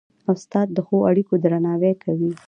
استاد د ښو اړيکو درناوی کوي.